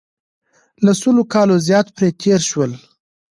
له سلو کالو زیات پرې تېر شول.